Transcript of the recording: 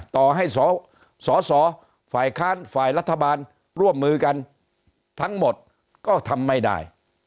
ต่อให้สอสอฝ่ายค้านฝ่ายรัฐบาลร่วมมือกันทั้งหมดก็ทำไม่ได้